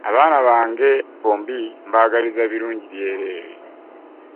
abaana bange bombi mbaagaliza birungi byereere.